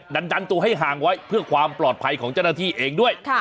ดันตัวให้ห่างไว้เพื่อความปลอดภัยของเจ้าหน้าที่เองด้วย